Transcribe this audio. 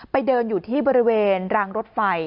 เดินอยู่ที่บริเวณรางรถไฟ